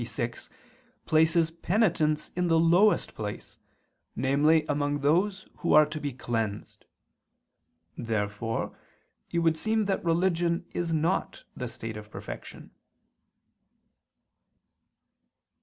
vi) places penitents in the lowest place, namely among those who are to be cleansed. Therefore it would seem that religion is not the state of perfection.